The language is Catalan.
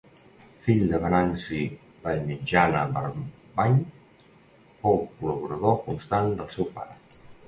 Fill de Venanci Vallmitjana Barbany, fou col·laborador constant del seu pare.